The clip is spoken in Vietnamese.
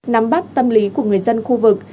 nắm bắt tâm lý của người dân khu vực